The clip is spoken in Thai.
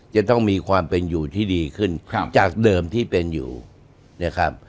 จะต้องมีความเป็นอยู่ที่ดีขึ้นจากเดิมที่เป็นอยู่นะครับ